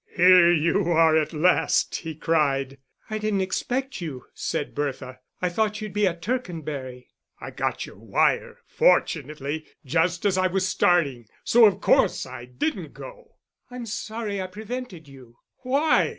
"Here you are at last!" he cried. "I didn't expect you," said Bertha. "I thought you'd be at Tercanbury." "I got your wire fortunately just as I was starting, so of course I didn't go." "I'm sorry I prevented you." "Why?